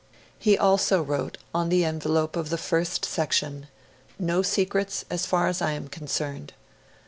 He also wrote, on the envelope of the first section, 'No secrets as far as I am concerned'.